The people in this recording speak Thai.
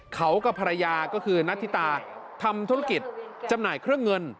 เขากับภรรยาก็คือนัทธิตาทำธุรกิจจำหน่ายเครื่องเงิน